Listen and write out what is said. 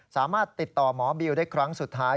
สามารถติดต่อหมอบิวได้ครั้งสุดท้าย